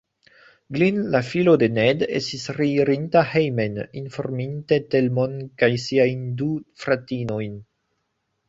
Glin, la filo de Ned, estis reirinta hejmen, informinte Telmon kaj siajn du fratinojn.